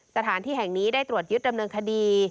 สถานที่แห่งนี้ได้ตรวจยึดดำเนินคดี